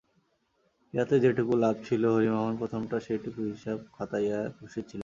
ইহাতে যেটুকু লাভ ছিল হরিমোহন প্রথমটা সেইটুকুর হিসাব খতাইয়া খুশি ছিলেন।